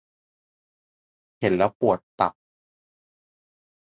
เห็น แล้วปวดตับ